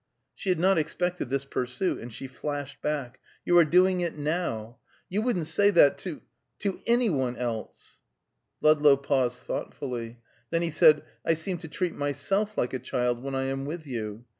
She had not expected this pursuit, and she flashed back, "You are doing it now! You wouldn't say that to to any one else." Ludlow paused thoughtfully. Then he said, "I seem to treat myself like a child when I am with you.